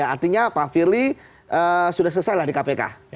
artinya pak firly sudah selesai lah di kpk